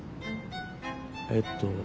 えっと。